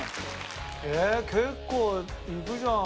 ええ結構いくじゃん。